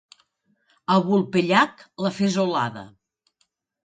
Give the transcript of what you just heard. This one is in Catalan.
A Vulpellac, la fesolada.